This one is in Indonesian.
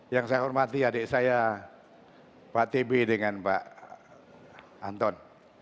yang saya hormati adik saya pak tb dengan pak anton